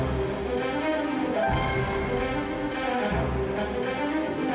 tidak kamu sukses